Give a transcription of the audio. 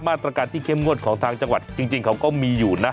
มาตรการที่เข้มงวดของทางจังหวัดจริงเขาก็มีอยู่นะ